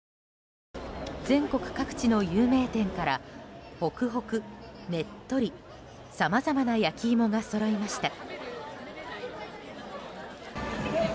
全国各地の有名店からほくほくねっとりさまざまな焼き芋がそろいました。